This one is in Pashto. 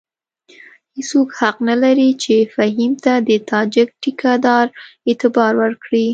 هېڅوک حق نه لري چې فهیم ته د تاجک ټیکه دار اعتبار ورکړي.